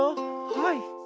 はい。